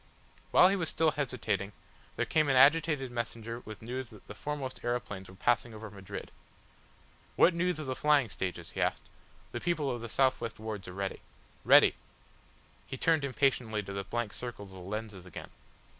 While he was still hesitating there came an agitated messenger with news that the foremost aeroplanes were passing over Madrid. "What news of the flying stages?" he asked. "The people of the south west wards are ready." "Ready!" He turned impatiently to the blank circles of the lenses again.